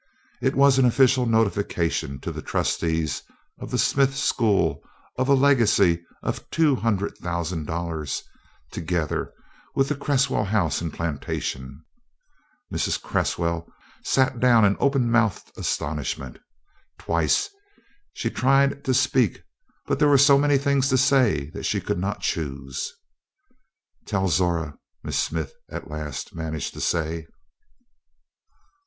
It was an official notification to the trustees of the Smith School of a legacy of two hundred thousand dollars together with the Cresswell house and plantation. Mrs. Gresswell sat down in open mouthed astonishment. Twice she tried to speak, but there were so many things to say that she could not choose. "Tell Zora," Miss Smith at last managed to say.